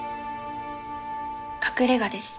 隠れ家です。